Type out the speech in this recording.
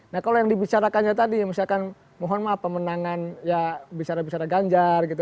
nah kalau yang dibicarakannya tadi misalkan mohon maaf pemenangan ya bicara bicara ganjar gitu